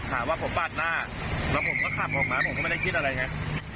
หาว่าผมปาดหน้าแล้วผมก็ขับออกมาผมก็ไม่ได้คิดอะไรไง